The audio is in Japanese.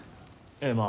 ええまあ。